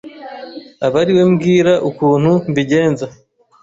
aba ari we mbwira ukuntu mbigenza